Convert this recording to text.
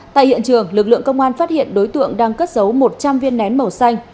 tại hiện trường lực lượng công an phát hiện đối tượng đang cất giấu một trăm linh viên nén màu xanh